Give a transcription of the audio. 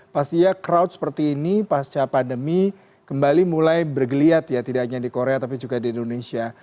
pastinya crowd seperti ini pasca pandemi kembali mulai bergeliat ya tidak hanya di korea tapi juga di indonesia